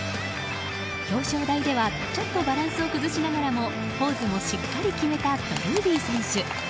表彰台ではちょっとバランスを崩しながらもポーズもしっかり決めたドルーリー選手。